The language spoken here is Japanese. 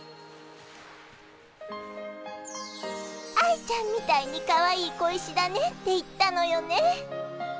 愛ちゃんみたいにかわいい小石だねって言ったのよね。